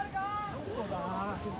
・どこだ？